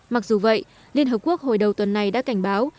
mặc dù vậy liên hợp quốc hồi đầu tuần này đã cảnh báo